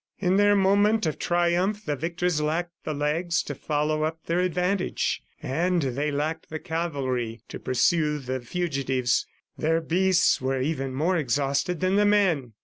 ... In their moment of triumph, the victors lacked the legs to follow up their advantage, and they lacked the cavalry to pursue the fugitives. Their beasts were even more exhausted than the men.